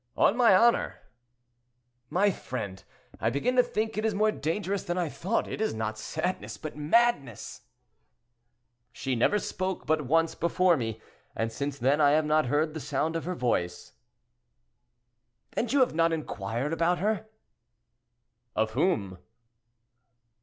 "On my honor." "My friend, I begin to think it is more dangerous than I thought; it is not sadness, but madness." "She never spoke but once before me, and since then I have not heard the sound of her voice." "And you have not inquired about her?" "Of whom?"